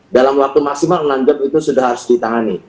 dalam waktu maksimal menangkap itu sudah harus ditangani